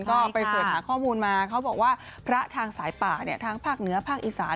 ก็ไปเสิร์ชหาข้อมูลมาเขาบอกว่าพระทางสายป่าเนี่ยทางภาคเหนือภาคอีสาน